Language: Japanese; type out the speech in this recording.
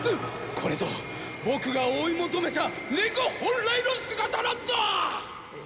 これぞ僕が追い求めたネコ本来の姿なんだ！